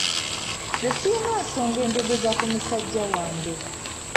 Nze sirina nsonga enjogeza ku musajja wange.